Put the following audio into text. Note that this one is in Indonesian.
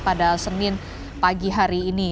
pada senin pagi hari ini